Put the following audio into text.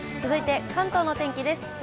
続いて関東の天気です。